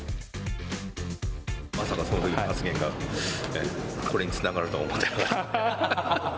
まさかその時の発言がこれにつながるとは思ってなかったんで。